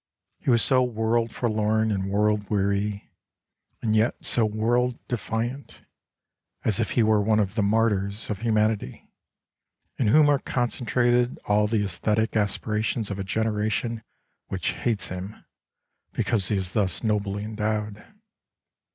He was so world forlorn and world weary, and yet so world defiant as if he were one of the martyrs of humanity,, in whom are concentrated all the esthetic aspirations of a generation which hates him, because he is thus nobly endowed.